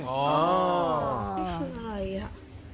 ไม่ค่อย